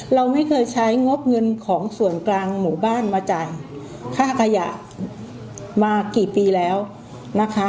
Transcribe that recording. เราไม่เคยใช้งบเงินของส่วนกลางหมู่บ้านมาจ่ายค่าขยะมากี่ปีแล้วนะคะ